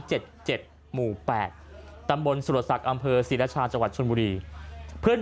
เจ็ดหมู่แปดตำบลสุรศักดิ์อำเภอศรีราชาจังหวัดชนบุรีเพื่อน